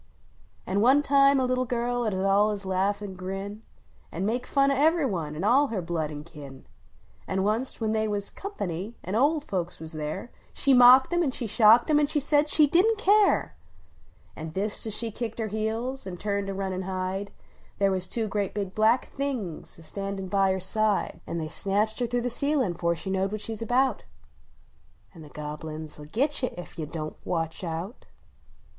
An one time a little girl ud allus laugh an grin. An make fun of ever one. an all her blood an kin ; An onc t, when they was "company," an olc folks was there, She mocked em an shocked cm. an said she didn t care! An thist as she kicked her heels, an turn t to run an hide. They was two great big Black Things a standin by her side, 24 LITTLE ORl IIANT ANNIE An they snatched her through the ceilin fore she knowed what she s about ! An the Gobble uns ll git you Ef you Don t Watch Out